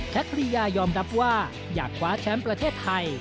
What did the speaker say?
แคทรียายอมรับว่าอยากขวาแชมประเทศไทย